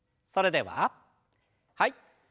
それでははい。